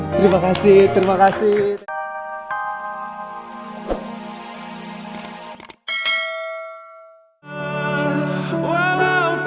terima kasih terima kasih